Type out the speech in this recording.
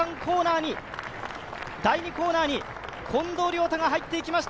第２コーナーに近藤亮太が入っていきました。